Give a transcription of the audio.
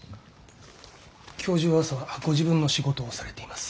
教授は朝はご自分の仕事をされています。